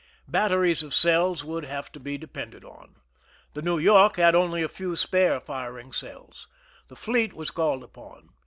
Batteries of cells would have to be depended on. The New York had only a few spare firing cells. The fleet was called upon.